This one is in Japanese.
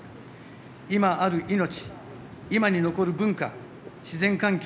今ある命、今に残る文化自然環境